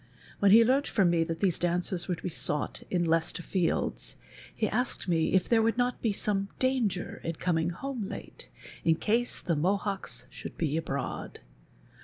When he learnt from me that these daneers were to he sought in Leieestcr Fields, he asked me if there would not be some danger in coming home late, in case the Mohoeks should be abroad.